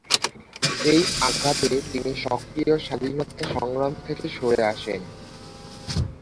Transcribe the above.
এই আঘাতে তিনি সক্রিয় স্বাধীনতা সংগ্রাম থেকে সরে আসেন।